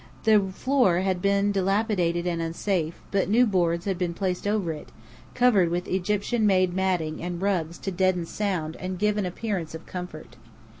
The floor had been dilapidated and unsafe; but new boards had been placed over it, covered with Egyptian made matting and rugs to deaden sound and give an appearance of comfort.